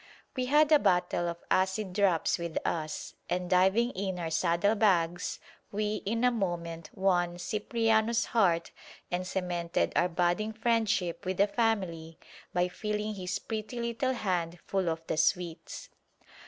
We had a bottle of acid drops with us, and diving in our saddle bags we in a moment won Cipriano's heart and cemented our budding friendship with the family by filling his pretty little hand full of the sweets.